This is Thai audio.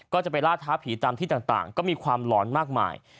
ก็จะไปล่าท้าผีตามที่ต่างก็มีความหลอนมากมาย